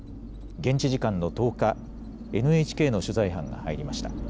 現地時間の１０日、ＮＨＫの取材班が入りました。